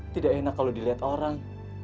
tidak enak kalau dilihat orang